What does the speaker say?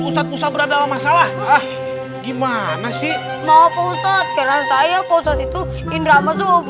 ustadz berada dalam masalah ah gimana sih mau posot peran saya posot itu indra masuk